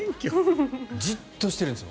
じっとしてるんですよ。